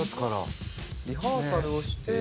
リハーサルをして。